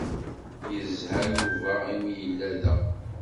Yezha Yuba imi yella da.